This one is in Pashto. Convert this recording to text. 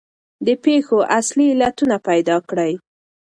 د پېښو اصلي علتونه پیدا کړئ.